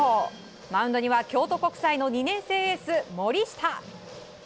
マウンドには京都国際の２年生エース、森下。